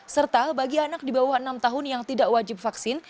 serta bagi anak di bawah enam tahun yang tidak wajib vaksin